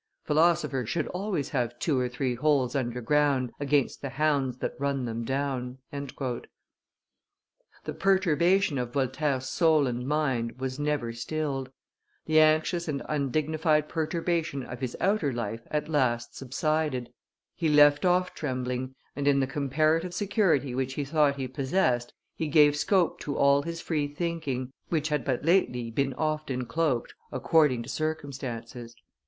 Philosophers should always have two or three holes under ground against the hounds that run them down." The perturbation of Voltaire's soul and mind was never stilled; the anxious and undignified perturbation of his outer life at last subsided; he left off trembling, and, in the comparative security which he thought he possessed, he gave scope to all his free thinking, which had but lately been often cloaked according to circumstances.